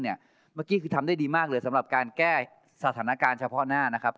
เมื่อกี้คือทำได้ดีมากเลยสำหรับการแก้สถานการณ์เฉพาะหน้านะครับ